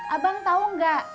abang tau gak